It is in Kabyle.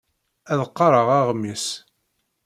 Ad qqareɣ aɣmis.